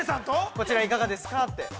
◆こちら、いかがですかって。